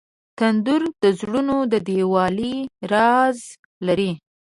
تنور د زړونو د یووالي راز لري